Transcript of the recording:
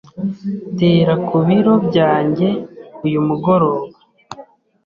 Tera ku biro byanjye uyu mugoroba.